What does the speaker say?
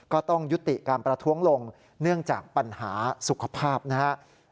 ก็ต้องยุติการประท้วงลงเนื่องจากปัญหาสุขภาพนะครับ